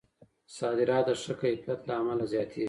صادرات د ښه کیفیت له امله زیاتیږي.